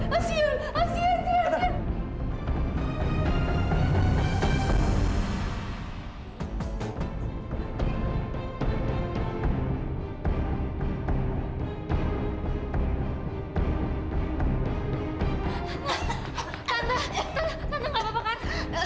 tante apa kabar